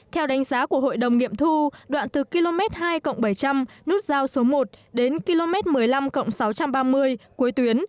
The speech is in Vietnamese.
theo đánh giá của hội đồng nghiệm thu đoạn từ km hai bảy trăm linh nút giao số một đến km một mươi năm cộng sáu trăm ba mươi cuối tuyến